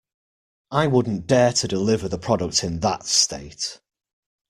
I wouldn't dare to deliver the product in that state.